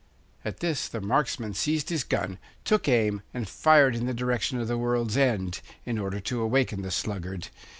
At this the marksman seized his gun, took aim, and fired in the direction of the world's end, in order to awaken the sluggard.